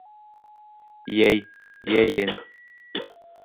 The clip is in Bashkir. Йәй, йәйен